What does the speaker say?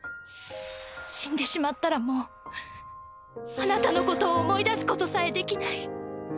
死んでしまったらもうあなたのことを思い出すことさえできない。